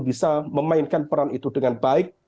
bisa memainkan peran itu dengan baik